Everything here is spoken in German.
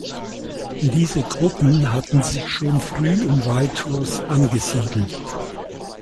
Diese Gruppen hatten sich schon früh um Whitehorse angesiedelt.